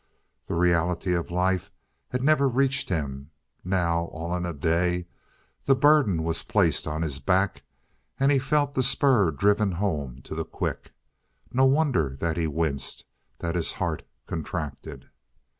The reality of life had never reached him. Now, all in a day, the burden was placed on his back, and he felt the spur driven home to the quick. No wonder that he winced, that his heart contracted.